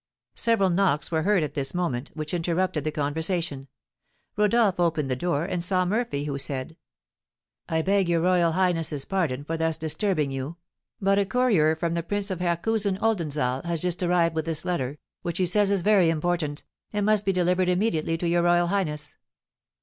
Several knocks were heard at this moment, which interrupted the conversation. Rodolph opened the door, and saw Murphy, who said: "I beg your your royal highness's pardon for thus disturbing you, but a courier from the Prince of Herkaüsen Oldenzaal has just arrived with this letter, which he says is very important, and must be delivered immediately to your royal highness."